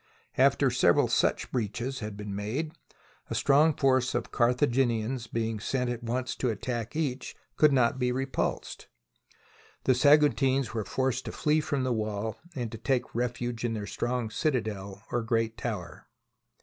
After several such breaches had been made, a strong force of Carthaginians be ing sent at once to attack each, could not be re pulsed, and the Saguntines were forced to flee from the wall and to take refuge in their strong citadel, or great tower.